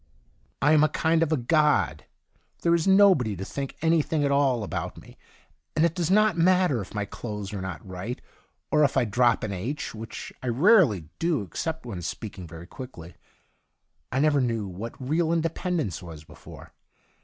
I am a kind of a god. There is nobody to think anything at all about me, and it does not matter if my clothes are not right, or if I drop an ' h '— which I rarely do except when speaking very , quickly. I never knew what real independence was before.